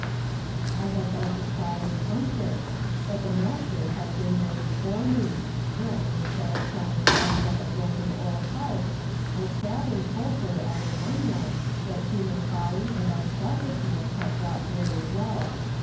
[ had gone to try and comfort, l)ut the l\rasterhad been there before me, and, instead of trying to bind np a broken old heart, I sat and told her of a young one tliat human folly and selfisliness had brought very low.